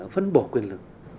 phân bổ quyền lực